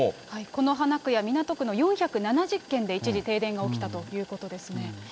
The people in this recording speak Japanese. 此花区や港区の４７０軒で一時停電が起きたということですね。